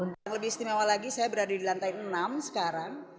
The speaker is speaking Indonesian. yang lebih istimewa lagi saya berada di lantai enam sekarang